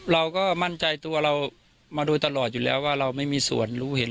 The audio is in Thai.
เราก็มั่นใจตัวเรามาโดยตลอดอยู่แล้วว่าเราไม่มีส่วนรู้เห็น